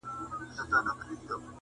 پر سترخان باندي یوازي کښېنستله!.